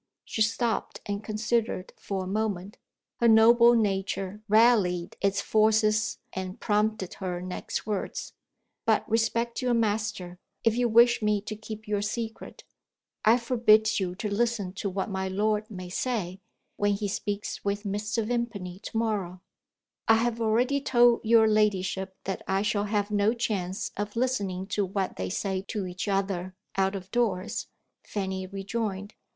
She stopped, and considered for a moment. Her noble nature rallied its forces, and prompted her next words: "But respect your master, if you wish me to keep your secret. I forbid you to listen to what my lord may say, when he speaks with Mr. Vimpany to morrow." "I have already told your ladyship that I shall have no chance of listening to what they say to each other, out of doors," Fanny rejoined.